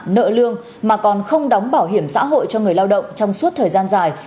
nợ lương mà còn không đóng bảo hiểm xã hội cho người lao động trong suốt thời gian dài